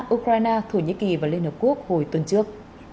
ukraine thổ nhĩ kỳ và liên hợp quốc hồi tuần trước